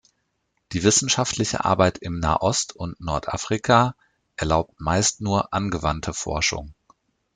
Die wissenschaftliche Arbeit im Nahost und Nordafrika erlaubt meist nur angewandte Forschung.